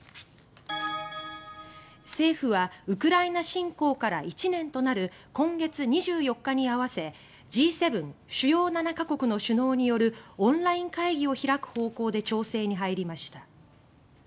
政府はウクライナ侵攻から１年となる今月２４日に合わせＧ７・主要７か国の首脳によるオンライン会議を開く方向で調整に入りました。